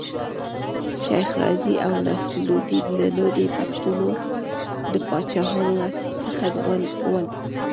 شېخ رضي او نصر لودي د لودي پښتنو د پاچاهانو څخه ول.